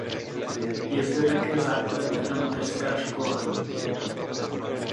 Je zde také základní a mateřská škola.